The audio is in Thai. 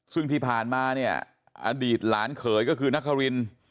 ซึ่งที่ผ่านมาเนี่ยอดีตหลานเขยก็คือนคริน